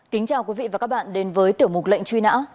kính chào quý vị và các bạn đến với tiểu mục lệnh truy nã